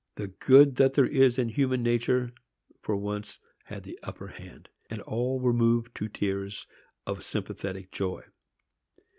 The "good that there is in human nature" for once had the upper hand, and all were moved to tears of sympathetic joy.